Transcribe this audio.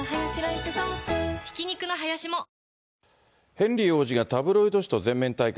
ヘンリー王子がタブロイド紙と全面対決。